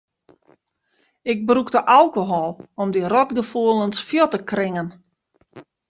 Ik brûkte alkohol om dy rotgefoelens fuort te kringen.